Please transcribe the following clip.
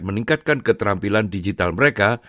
meningkatkan keterampilan digital mereka